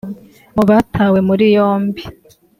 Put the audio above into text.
Mu batawe muri yombi